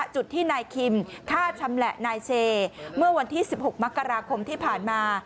จุดที่นายคิมฆ่าชำแหละนายเซเมื่อวันที่๑๖มกราคมที่ผ่านมา